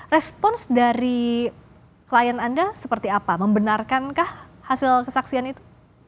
respons dari klien anda seperti apa membenarkankah hasil kesaksian itu